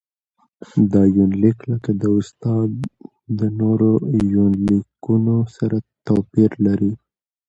دا يونليک لکه د استاد د نورو يونليکونو سره تواپېر لري.